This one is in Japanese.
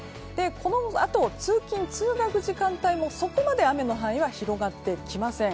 このあと、通勤・通学時間帯もそこまで雨の範囲は広がってきません。